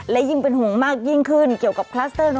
และยิ่งเป็นห่วงมากยิ่งขึ้นเกี่ยวกับคลัสเตอร์